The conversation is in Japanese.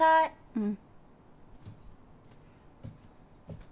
うん。